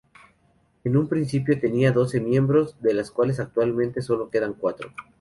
En un principio tenían doce miembros, de las cuales actualmente solo quedan cuatro.